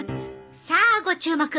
さあご注目。